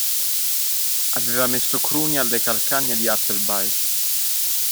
Aveva messo Cruni alle calcagna di Appleby!